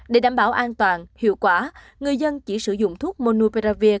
để đảm bảo an toàn hiệu quả người dân chỉ sử dụng thuốc monuperavir